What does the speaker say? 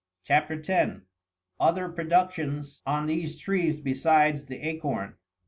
67 CHAP. 10. OTHER PRODUCTIONS ON THESE TREES BESIDES THE ACORN.